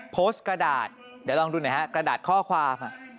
โพสต์กระดาษจะลองดูหน่อยครับกระดาษข้อความ